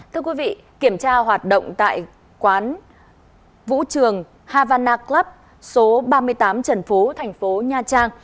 thưa quý vị kiểm tra hoạt động tại quán vũ trường havana club số ba mươi tám trần phú thành phố nha trang